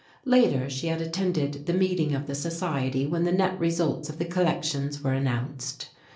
Later she had attended the meeting of the society when the net results of the collections were announced.